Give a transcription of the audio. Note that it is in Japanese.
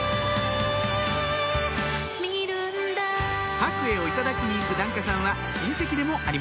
白衣を頂きに行く檀家さんは親戚でもあります